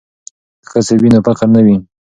که کسب وي نو فقر نه وي.